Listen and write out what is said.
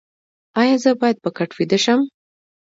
ایا زه باید په کټ ویده شم؟